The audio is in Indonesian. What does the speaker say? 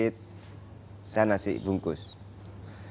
saya mimpin saya biasa di sini awal awal untuk membangun chemistry membangun upgrade